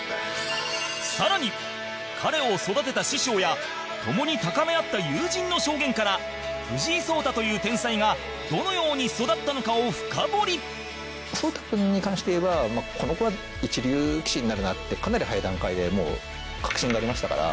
更に、彼を育てた師匠やともに高め合った友人の証言から藤井聡太という天才がどのように育ったのかを深掘り聡太君に関して言えばこの子は一流棋士になるなってかなり早い段階でもう確信がありましたから。